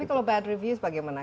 tapi kalau bad review bagaimana